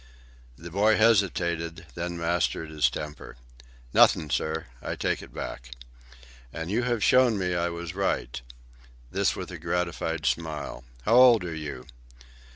The boy hesitated, then mastered his temper. "Nothin', sir. I take it back." "And you have shown me I was right." This with a gratified smile. "How old are you?"